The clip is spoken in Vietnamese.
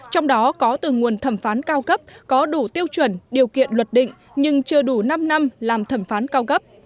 trong đó có từ nguồn thẩm phán cao cấp có đủ tiêu chuẩn điều kiện luật định nhưng chưa đủ năm năm làm thẩm phán cao cấp